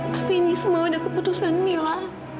tapi ini semua ada keputusan mila